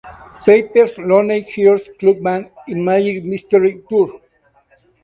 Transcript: Pepper's Lonely Hearts Club Band" y "Magical Mystery Tour".